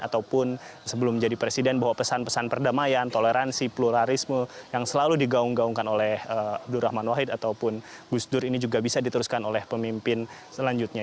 ataupun sebelum menjadi presiden bahwa pesan pesan perdamaian toleransi pluralisme yang selalu digaung gaungkan oleh abdurrahman wahid ataupun gus dur ini juga bisa diteruskan oleh pemimpin selanjutnya